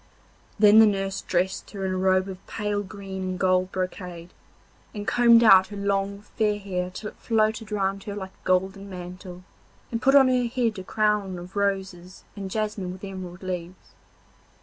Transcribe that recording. Then the nurse dressed her in a robe of pale green and gold brocade, and combed out her long fair hair till it floated round her like a golden mantle, and put on her head a crown of roses and jasmine with emerald leaves.